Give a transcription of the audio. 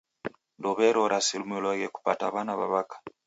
Ndowererasimiloghe kupata w'ana w'a w'aka.